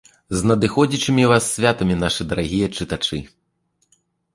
З надыходзячымі вас святамі, нашы дарагія чытачы!